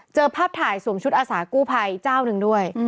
ภาพถ่ายสวมชุดอาสากู้ภัยเจ้าหนึ่งด้วย